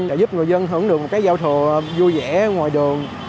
để giúp người dân hưởng được một cái giao thừa vui vẻ ngoài đường